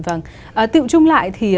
vâng tiệu chung lại thì